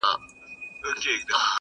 کښته پسي ځه د زړه له تله یې را و باسه,